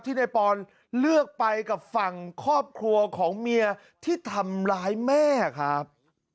นายปอนเลือกไปกับฝั่งครอบครัวของเมียที่ทำร้ายแม่ครับ